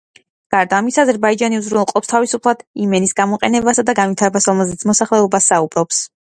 გარდა ამისა, აზერბაიჯანი უზრუნველყოფს თავისუფლად იმ ენის გამოყენებასა და განვითარებას, რომელზეც მოსახლეობა საუბრობს.